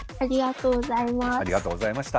ありがとうございます。